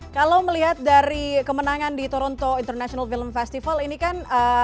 kalau melihat dari kemenangan di toronto international film festival ini kan